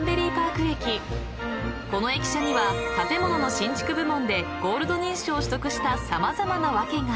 ［この駅舎には建物の新築部門でゴールド認証を取得した様々な訳が］